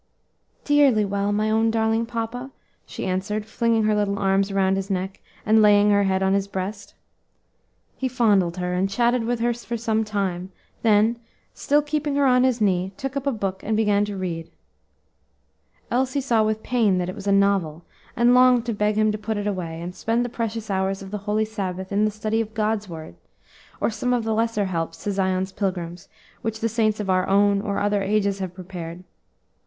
"Dearly well, my own darling papa," she answered, flinging her little arms around his neck, and laying her head on his breast. He fondled her, and chatted with her for some time, then, still keeping her on his knee, took up a book and began to read. Elsie saw with pain that it was a novel and longed to beg him to put it away, and spend the precious hours of the holy Sabbath in the study of God's word, or some of the lesser helps to Zion's pilgrims which the saints of our own or other ages have prepared.